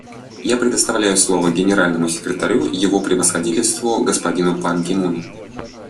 Я предоставляю слово Генеральному секретарю Его Превосходительству господину Пан Ги Муну.